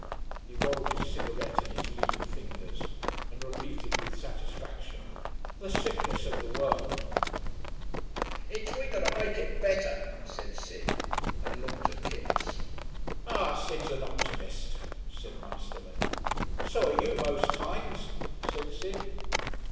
He rolled his cigarette in his lean fingers and repeated with satisfaction: "The Sickness of the World." "It's we've got to make it better," said Sid, and looked at Kipps. "Ah, Sid's an optimist," said Masterman. "So are you, most times," said Sid.